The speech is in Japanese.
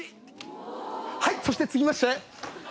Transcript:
はいそして続きまして。